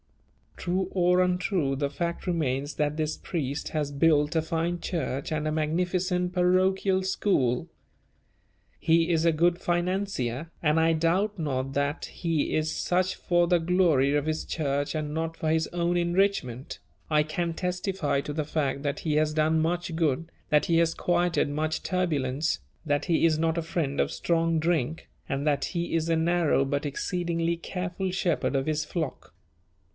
True or untrue, the fact remains that this priest has built a fine church and a magnificent parochial school. He is a good financier, and I doubt not that he is such for the glory of his Church and not for his own enrichment; I can testify to the fact that he has done much good, that he has quieted much turbulence, that he is not a friend of strong drink, and that he is a narrow but exceedingly careful shepherd of his flock.